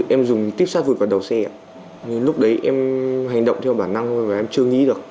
em dùng tiếp sát vượt vào đầu xe lúc đấy em hành động theo bản năng thôi và em chưa nghĩ được